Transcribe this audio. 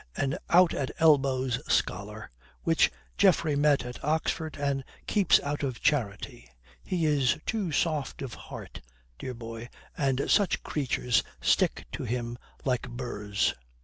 An out at elbows scholar which Geoffrey met at Oxford and keeps out of charity. He is too soft of heart, dear boy, and such creatures stick to him like burrs."